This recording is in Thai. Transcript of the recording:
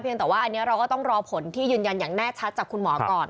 แต่ว่าอันนี้เราก็ต้องรอผลที่ยืนยันอย่างแน่ชัดจากคุณหมอก่อน